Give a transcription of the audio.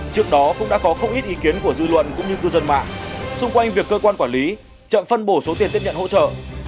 trước đó cũng đã có không ít ý kiến của dư luận cũng như cư dân mạng xung quanh việc cơ quan quản lý chậm phân bổ số tiền tiếp nhận hỗ trợ